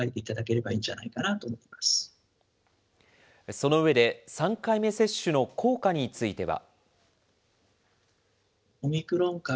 その上で、３回目接種の効果については。